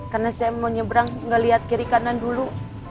karena saya mau nyebrang gak liat kiri kanan dulu